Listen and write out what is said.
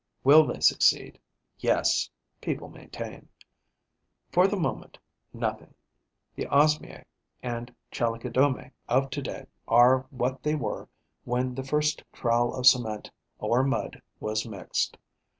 Will they succeed? Yes, people maintain. For the moment, nothing. The Osmiae and Chalicodomae of to day are what they were when the first trowel of cement or mud was mixed.